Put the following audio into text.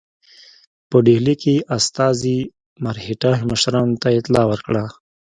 په ډهلي کې استازي مرهټه مشرانو ته اطلاع ورکړه.